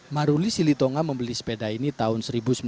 maruli silitonga membeli sepeda ini tahun seribu sembilan ratus sembilan puluh